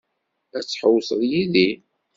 Ad tḥewwseḍ yid-i?